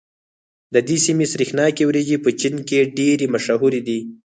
د دې سيمې سرېښناکې وريجې په چين کې ډېرې مشهورې دي.